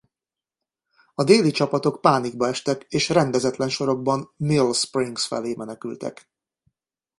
A déli csapatok pánikba estek és rendezetlen sorokban Mill Springs felé menekültek.